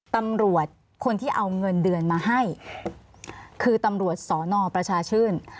ตำรวจคนที่เอาเงินเดือนมาให้คือตำรวจสอนอประชาชื่น